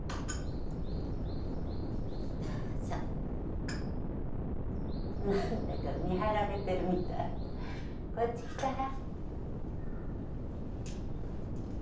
どうぞ何だか見張られてるみたいこっち来たら？